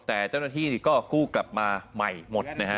แต่เจ้าหน้าที่ก็กู้กลับมาใหม่หมดนะฮะ